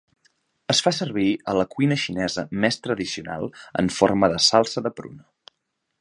Es fa servir a la cuina xinesa més tradicional en forma de salsa de pruna.